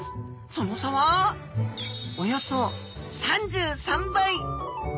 その差はおよそ３３倍！